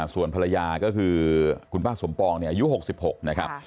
ส่วนภรรยาก็คือคุณป้าสมปองเนี่ยอายุ๖๖นะครับ